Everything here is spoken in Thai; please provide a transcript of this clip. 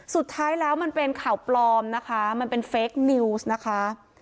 สุดท้ายแล้วมันเป็นข่าวปลอมนะคะมันเป็นเฟคนิวส์นะคะ